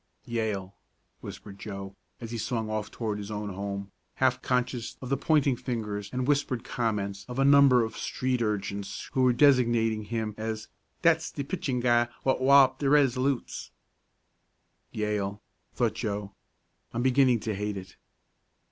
"Yale!" whispered Joe, as he swung off toward his own home, half conscious of the pointing fingers and whispered comments of a number of street urchins who were designating him as "dat's de pitchin' guy what walloped de Resolutes!" "Yale!" thought Joe. "I'm beginning to hate it!"